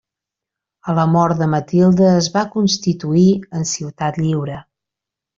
A la mort de Matilde es va constituir en ciutat lliure.